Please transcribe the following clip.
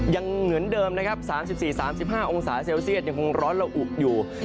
อย่างเหมือนเดิม๓๔๓๕องศาเซลเซียสยังคงร้อนและอุ่นอยู่